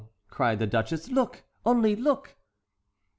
cried the duchess; "look, only look!"